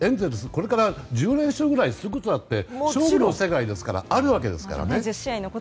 これから１０連勝ぐらいだって勝負の世界ですからあるわけですからね。